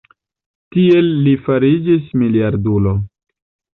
Tiel li fariĝis miliardulo.